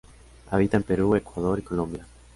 Habita en Perú, Ecuador y Colombia.